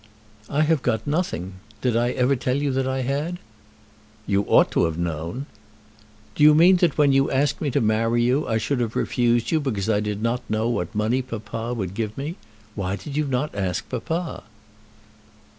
"I have got nothing. Did I ever tell you that I had?" "You ought to have known." "Do you mean that when you asked me to marry you I should have refused you because I did not know what money papa would give me? Why did you not ask papa?"